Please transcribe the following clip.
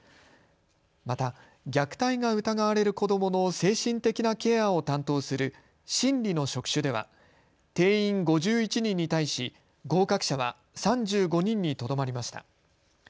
また虐待が疑われる子どもの精神的なケアを担当する心理の職種では定員５１人に対し合格者は３５人にとどまりました。